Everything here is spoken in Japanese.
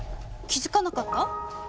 気づかなかった？